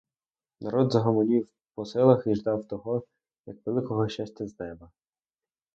Народ загомонів по селах і ждав того, як великого щастя з неба.